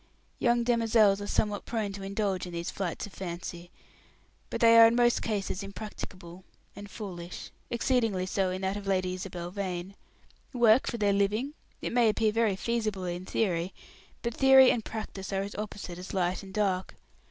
Young demoiselles are somewhat prone to indulge in these flights of fancy; but they are in most cases impracticable and foolish exceedingly so in that of Lady Isabel Vane. Work for their living? It may appear very feasible in theory; but theory and practice are as opposite as light and dark.